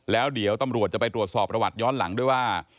แล้วเดี๋ยวตำรวจจะไปตรวจสอบประวัติย้อนหลังด้วยว่า